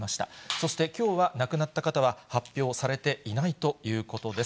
そしてきょうは亡くなった方は発表されていないということです。